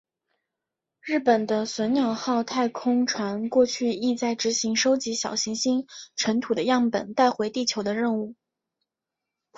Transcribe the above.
日本的隼鸟号太空船过去亦在执行收集小行星尘土的样本带回地球的任务。